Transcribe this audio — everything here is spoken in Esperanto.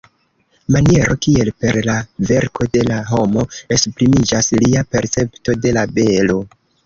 Maniero kiel per la verko de la homo esprimiĝas lia percepto de la belo.